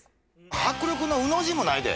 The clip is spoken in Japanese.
迫力の「う」の字もないで。